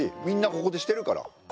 みんなここでしてるから。